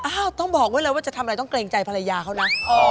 ต้องบอกไว้เลยว่าจะทำอะไรต้องเกรงใจภรรยาเขานะ